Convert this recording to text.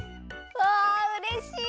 わうれしい！